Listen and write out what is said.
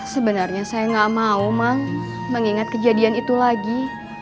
sebenarnya saya nggak mau mang mengingat kejadian itu lagi